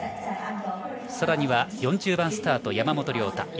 さらには、４０番スタートで山本涼太。